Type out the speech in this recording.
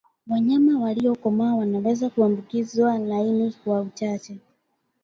wanyama waliokomaa wanaweza kuambukizwa lakini kwa uchache